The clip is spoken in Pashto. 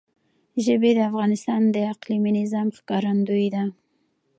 ژبې د افغانستان د اقلیمي نظام ښکارندوی ده.